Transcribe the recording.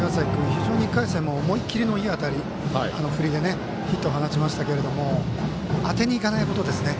非常に１回戦も思い切りのいい当たり、振りでヒット放ちましたけど当てにいかないことですね。